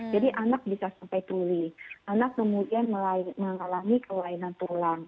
jadi anak bisa sampai tuli anak kemudian mengalami kelainan tulang